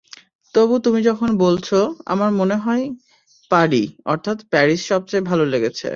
তবু তুমি যখন বলছ, আমার মনে হয়—পারি, অর্থাৎ প্যারিস সবচেয়ে ভালো লেগেছে।